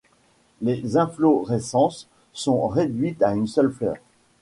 Les inflorescences sont réduites à une seule fleur.